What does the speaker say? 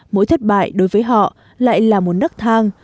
mỗi thất bại đối với họ lại là một nắc thang